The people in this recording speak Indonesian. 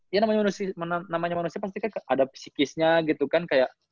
ya namanya manusia pasti kan ada psikisnya gitu kan kayak